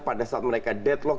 pada saat mereka deadlock